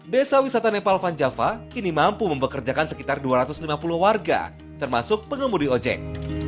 desa wisata nepal vanjava kini mampu membekerjakan sekitar dua ratus lima puluh warga termasuk pengembudi ojek